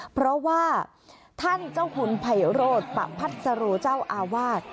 เพราะว่าท่านเจ้าคุณไพโรธปะพัสโรเจ้าอาวาส